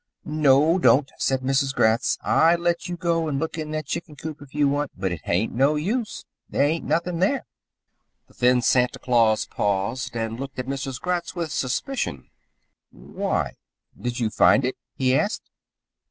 "No, don't," said Mrs. Gratz. "I let you go and look in that chicken coop if you want to, but it ain't no use. There ain't nothing there." The thin Santa Claus paused and looked at Mrs. Gratz with suspicion. "Why? Did you find it?" he asked.